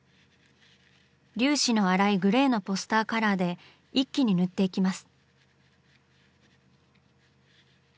粒子の粗いグレーのポスターカラーで一気に塗っていきます。